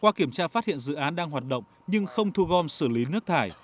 qua kiểm tra phát hiện dự án đang hoạt động nhưng không thu gom xử lý nước thải